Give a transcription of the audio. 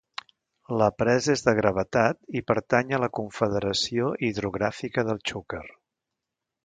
La presa és de gravetat i pertany a la Confederació Hidrogràfica del Xúquer.